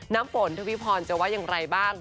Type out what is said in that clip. น้ำฝนทวิพรจะว่าอย่างไรบ้าง